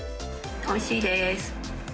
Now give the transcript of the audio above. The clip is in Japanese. おいしいでーす。